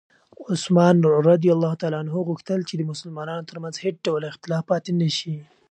عثمان رض غوښتل چې د مسلمانانو ترمنځ هېڅ ډول اختلاف پاتې نه شي.